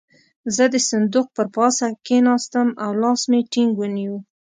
زه د صندوق پر پاسه کېناستم او لاس مې ټينګ ونيو.